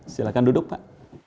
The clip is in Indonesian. silahkan duduk pak